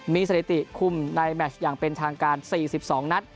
มีสถิติคุมในแมชอย่างเป็นทางการ๔๒นัด